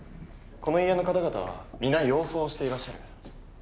この家の方々は皆洋装をしていらっしゃる。